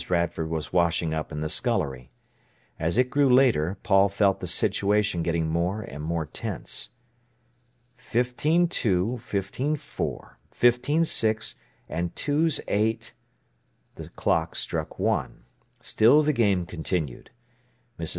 Radford was washing up in the scullery. As it grew later Paul felt the situation getting more and more tense. "Fifteen two, fifteen four, fifteen six, and two's eight—!" The clock struck one. Still the game continued. Mrs.